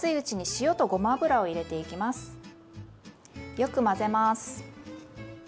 よく混ぜます。